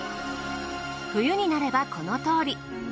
冬になればこのとおり。